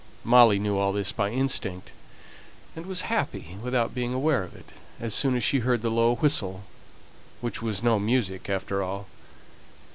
Molly knew all this by instinct, and was happy without being aware of it, as soon as she heard the low whistle which was no music after all.